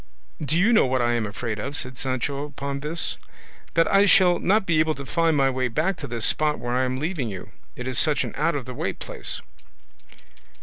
"Do you know what I am afraid of?" said Sancho upon this; "that I shall not be able to find my way back to this spot where I am leaving you, it is such an out of the way place."